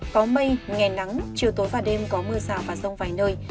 có mây nghe nắng chiều tối và đêm có mưa xào và rông vài nơi